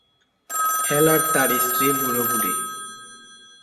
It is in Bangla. হেল আর তার স্ত্রী, বুড়ো-বুড়ী।